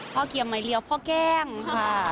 พ่อเตรียมไม้เรียวพ่อแกล้งค่ะ